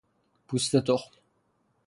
پوست تخم